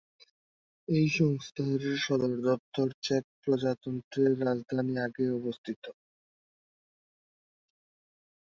এই সংস্থার সদর দপ্তর চেক প্রজাতন্ত্রের রাজধানী প্রাগে অবস্থিত।